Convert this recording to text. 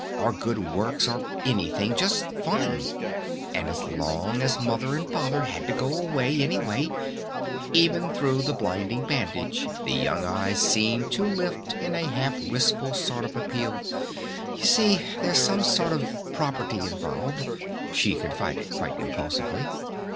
Or good works! Or anything! Just fun! And as long as Mother and Father had to go away anyway " Even though the blinding bandage the young eyes seemed to lift in a half wistful sort of appeal. "You see there's some sort of property involved," she confided quite impulsively.